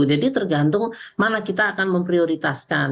jadi tergantung mana kita akan memprioritaskan